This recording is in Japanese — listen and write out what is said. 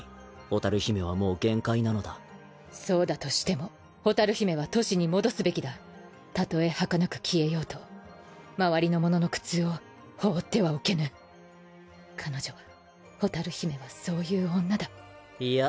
蛍姫はもう限界なのだそうだとしても蛍姫は都市に戻すべきたとえはかなく消えようと周りの者の苦痛を放ってはおけぬ彼女は蛍姫はそういう女だいや